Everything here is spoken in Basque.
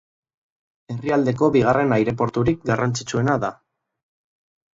Herrialdeko bigarren aireporturik garrantzitsuena da.